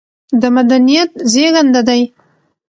د مدنيت زېږنده دى